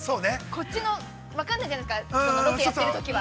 ◆こっちの、分かんないじゃないですか、ロケやってるときは。